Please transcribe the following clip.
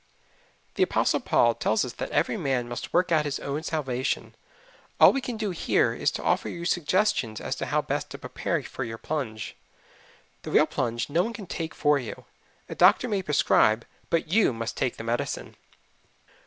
The Apostle Paul tells us that every man must work out his own salvation. All we can do here is to offer you suggestions as to how best to prepare for your plunge. The real plunge no one can take for you. A doctor may prescribe, but you must take the medicine.